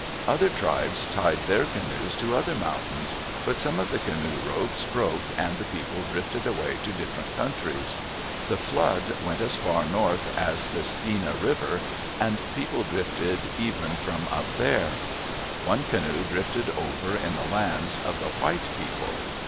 Other tribes tied their canoes to other mountains, but some of the canoe ropes broke and the people drifted away to different countries. The flood went as far north as the Skeena River, and people drifted even from up there. One canoe drifted over in the lands of the white people.